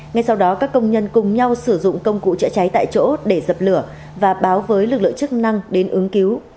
ngay sau đó các công nhân cùng nhau sử dụng công cụ chữa cháy tại chỗ để dập lửa và báo với lực lượng chức năng đến ứng cứu